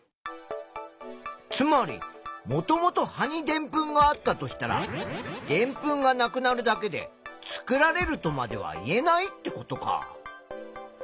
つまりもともと葉にでんぷんがあったとしたらでんぷんがなくなるだけで作られるとまでは言えないってことか。